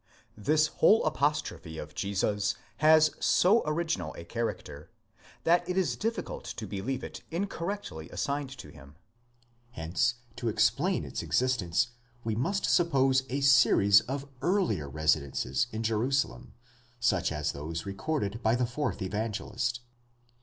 This whole apostrophe of Jesus has so original a character, that it is difficult to believe it incorrectly assigned to him ; hence to explain its existence, we must suppose a series of earlier residences in Jerusalem, such as those recorded by the fourth Evan gelist.